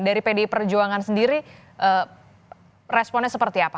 dari pdi perjuangan sendiri responnya seperti apa